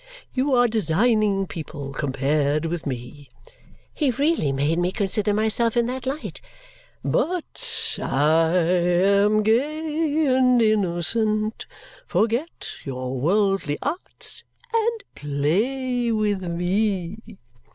You are designing people compared with me" (he really made me consider myself in that light) "but I am gay and innocent; forget your worldly arts and play with me!"